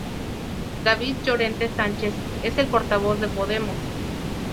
David Llorente Sánchez es el portavoz de Podemos.